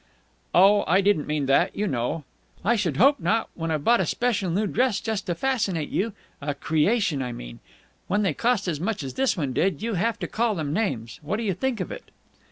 "Oh, I didn't mean that, you know." "I should hope not, when I've bought a special new dress just to fascinate you. A creation I mean. When they cost as much as this one did, you have to call them names. What do you think of it?"